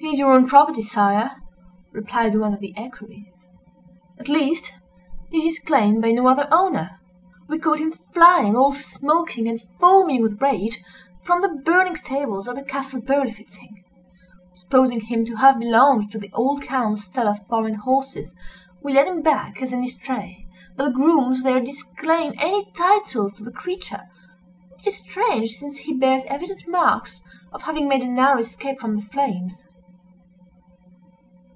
"He is your own property, sire," replied one of the equerries, "at least he is claimed by no other owner. We caught him flying, all smoking and foaming with rage, from the burning stables of the Castle Berlifitzing. Supposing him to have belonged to the old Count's stud of foreign horses, we led him back as an estray. But the grooms there disclaim any title to the creature; which is strange, since he bears evident marks of having made a narrow escape from the flames.